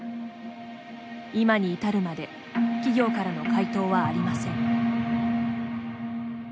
今に至るまで企業からの回答はありません。